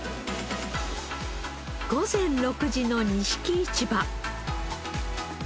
午前６時の錦市場。